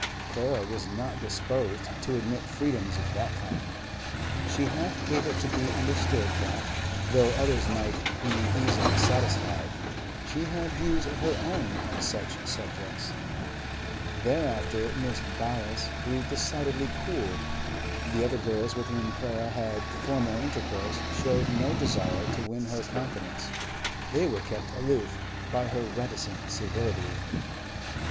Clara was not disposed to admit freedoms of that kind; she half gave it to be understood that, though others might be easily satisfied, she had views of her own on such subjects. Thereafter Mrs. Byass grew decidedly cool. The other girls with whom Clara had formal intercourse showed no desire to win her confidence; they were kept aloof by her reticent civility.